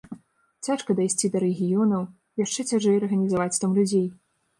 Цяжка дайсці да рэгіёнаў, яшчэ цяжэй арганізаваць там людзей.